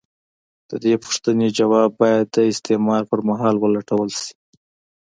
د دې پوښتنې ځواب باید د استعمار پر مهال ولټول شي.